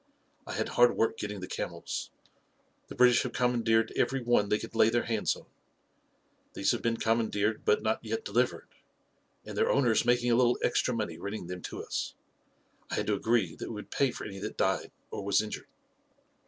I had hard work getting the camels. The British have commandeered every one they could lay their hands on. These have been commandeered but not yet delivered, and their owner is making a little extra money renting them to us. I had to agree that we would pay for any that died or was injured."